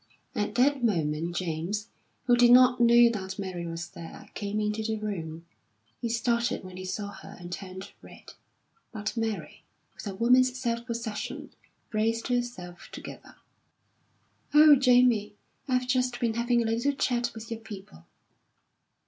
At that moment James, who did not know that Mary was there, came into the room. He started when he saw her and turned red; but Mary, with a woman's self possession, braced herself together. "Oh, Jamie, I've just been having a little chat with your people."